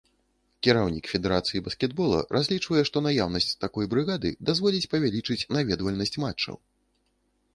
Кіраўнік федэрацыі баскетбола разлічвае, што наяўнасць такой брыгады дазволіць павялічыць наведвальнасць матчаў.